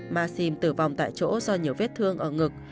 maxim tử vong tại chỗ do nhiều vết thương ở ngực